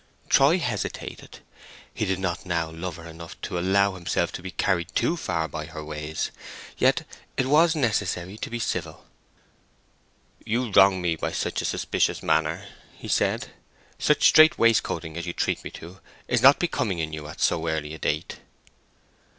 Troy hesitated. He did not now love her enough to allow himself to be carried too far by her ways. Yet it was necessary to be civil. "You wrong me by such a suspicious manner," he said. "Such strait waistcoating as you treat me to is not becoming in you at so early a date."